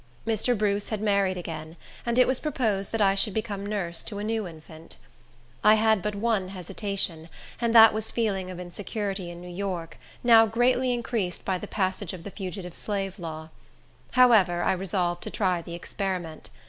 Mr. Bruce had married again, and it was proposed that I should become nurse to a new infant. I had but one hesitation, and that was feeling of insecurity in New York, now greatly increased by the passage of the Fugitive Slave Law. However, I resolved to try the experiment.